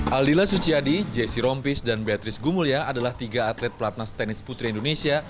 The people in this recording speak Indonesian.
aldila suciadi jesse rompis dan beatrice gumulya adalah tiga atlet pelatnas tenis putri indonesia